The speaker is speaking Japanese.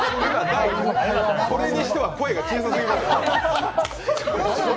それにしては声が小さすぎます。